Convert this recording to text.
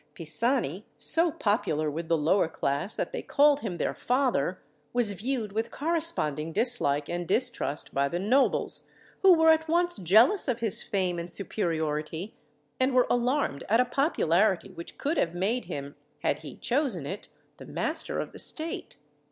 Pisani so popular with the lower class that they called him their father was viewed with corresponding dislike and distrust by the nobles, who were at once jealous of his fame and superiority, and were alarmed at a popularity which could have made him, had he chosen it, the master of the state.